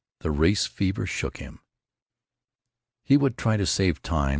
The race fever shook him. He would try to save time.